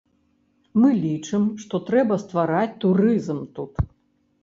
Мы лічым, што трэба ствараць турызм тут.